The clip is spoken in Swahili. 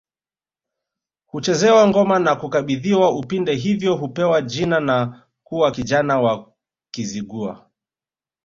Huchezewa ngoma na kukabidhiwa upinde hivyo hupewa jina na kuwa kijana wa Kizigua